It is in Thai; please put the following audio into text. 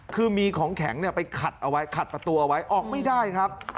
คือมีของแข็งไปขัดประตูเอาไว้ออกไม่ได้ครับ